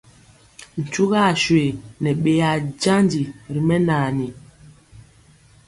Ntugaswe nɛ ɓeyaa janji ri mɛnaani.